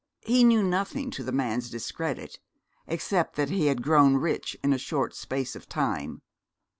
He knew nothing to the man's discredit, except that he had grown rich in a short space of time.